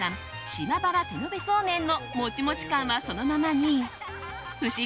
島原手延べそうめんのモチモチ感はそのままにふし